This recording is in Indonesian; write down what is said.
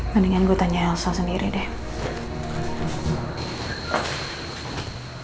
mendingan gue tanya elsa sendiri deh